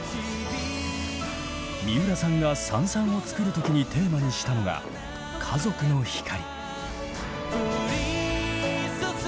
三浦さんが「燦燦」を作る時にテーマにしたのが家族の光。